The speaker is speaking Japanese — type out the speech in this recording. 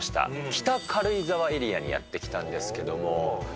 北軽井沢エリアにやって来たんですけれども。